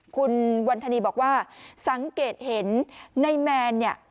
คุณวันธนีบอกว่าสังเกตเห็นในแมนเนี่ย